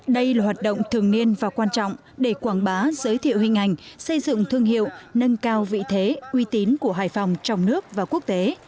đây là hoạt động thường niên và quan trọng để quảng bá giới thiệu hình ảnh xây dựng thương hiệu nâng cao vị thế uy tín của hải phòng trong nước và quốc tế